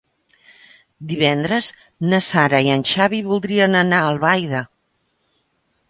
Divendres na Sara i en Xavi voldrien anar a Albaida.